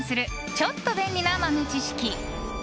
ちょっと便利な豆知識。